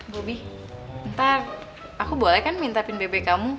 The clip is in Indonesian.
bobi entah aku boleh kan minta pinbebe kamu